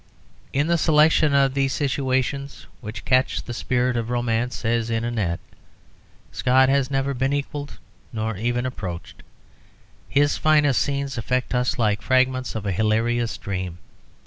In the selection of these situations which catch the spirit of romance as in a net, Scott has never been equalled or even approached. His finest scenes affect us like fragments of a hilarious dream.